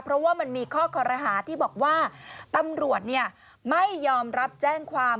เพราะว่ามันมีข้อคอรหาที่บอกว่าตำรวจไม่ยอมรับแจ้งความ